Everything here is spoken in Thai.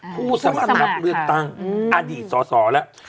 ผู้สมัครรับเลือกตั้งอดีตสอสอแล้ว